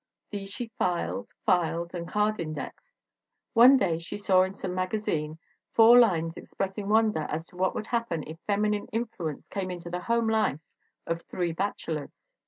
These she filed, filed and card indexed. One day she saw in some magazine four lines expressing wonder as to what would happen if feminine in fluence came into the home life of three bachelors.